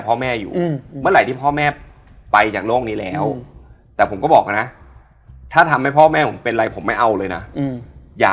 เพิ่มเลเวลขึ้นเรื่อย